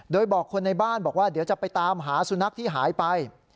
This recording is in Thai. โดยบอกคนในบ้านบอกว่าเดี๋ยวจะไปตามหาสุนัขที่หายไป